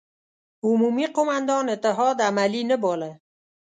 عمومي قوماندان اتحاد عملي نه باله.